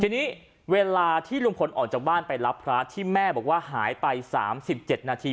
ทีนี้เวลาที่ลุงพลออกจากบ้านไปรับพระที่แม่บอกว่าหายไป๓๗นาที